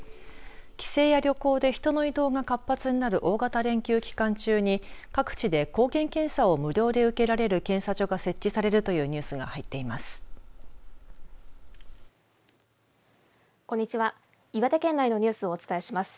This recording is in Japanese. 帰省や旅行で人の移動が活発になる、大型連休期間中に各地で抗原検査を無料で受けられる検査所が設置されるというニュースが入っています。